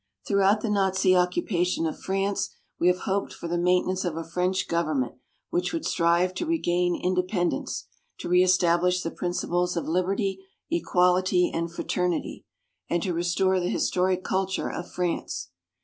Throughout the Nazi occupation of France, we have hoped for the maintenance of a French government which would strive to regain independence, to reestablish the principles of "Liberty, Equality and Fraternity," and to restore the historic culture of France.